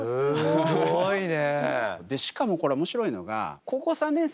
すごいね。